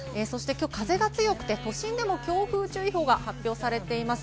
今日は風が強くて都心でも強風注意報が発表されています。